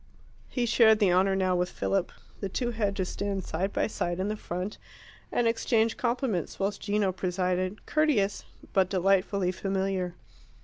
He shared the honour now with Philip. The two had to stand side by side in the front, and exchange compliments, whilst Gino presided, courteous, but delightfully familiar.